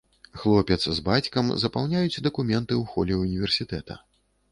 Хлопец з бацькам запаўняюць дакументы ў холе ўніверсітэта.